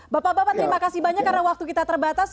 bapak bapak terima kasih banyak karena waktu kita terbatas